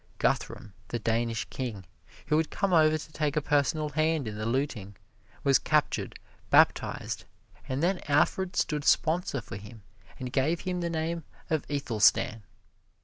Guthrum, the Danish King, who had come over to take a personal hand in the looting, was captured, baptized, and then Alfred stood sponsor for him and gave him the name of Ethelstan.